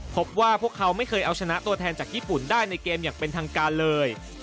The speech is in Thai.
พบว่าพวกเขาไม่เคยเอาชนะตัวแทนจากญี่ปุ่นได้ในเกมอย่างเป็นทางการเลย